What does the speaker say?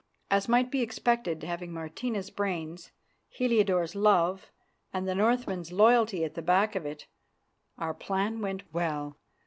As might be expected, having Martina's brains, Heliodore's love, and the Northmen's loyalty at the back of it, our plan went well.